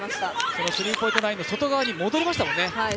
そのスリーポイントラインの外側に戻りましたからね。